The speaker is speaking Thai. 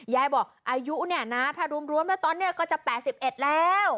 ยายบอกอายุเนี่ยนะถ้ารวมแล้วตอนนี้ก็จะ๘๑แล้ว